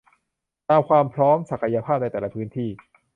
ตามความพร้อม ศักยภาพในแต่ละพื้นที่